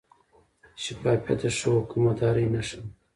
شفافیت د ښه حکومتدارۍ نښه ده.